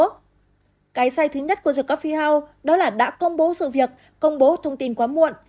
cái sai thứ nhất của dược offi house đó là đã công bố sự việc công bố thông tin quá muộn